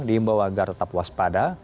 diimbaw agar tetap waspada